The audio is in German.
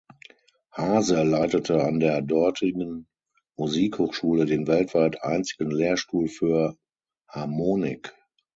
Haase leitete an der dortigen Musikhochschule den weltweit einzigen Lehrstuhl für Harmonik.